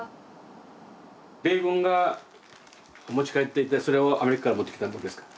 米軍が持ち帰っていったそれをアメリカから持ってきたということですか？